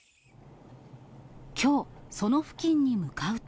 きょう、その付近に向かうと。